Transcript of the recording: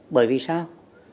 bởi vì sao